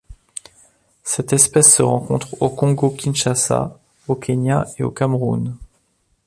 Cette espèce se rencontre au Congo-Kinshasa, au Kenya et au Cameroun.